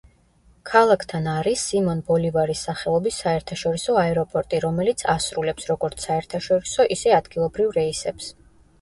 ქალაქთან არის სიმონ ბოლივარის სახელობის საერთაშორისო აეროპორტი, რომელიც ასრულებს როგორც საერთაშორისო, ისე ადგილობრივ რეისებს.